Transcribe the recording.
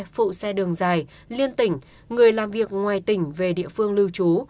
phụ xe đường dài liên tỉnh người làm việc ngoài tỉnh về địa phương lưu trú